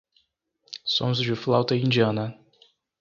Sons de flauta indiana